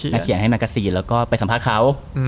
เขียนให้แกซีนแล้วก็ไปสัมภาษณ์เขา